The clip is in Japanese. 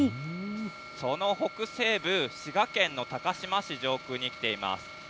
その北西部、滋賀県の高島市上空に来ています。